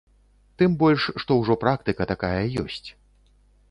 Тым больш, што ўжо практыка такая ёсць.